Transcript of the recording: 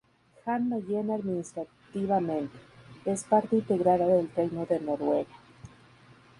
Jan Mayen, administrativamente, es parte integrada del Reino de Noruega.